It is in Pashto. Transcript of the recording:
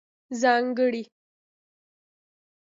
ځانګړنې: